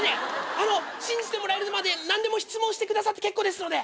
あの信じてもらえるまで何でも質問してくださって結構ですので。